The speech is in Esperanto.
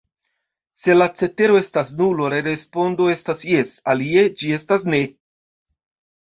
Se la cetero estas nulo, la respondo estas 'jes'; alie, ĝi estas 'ne'.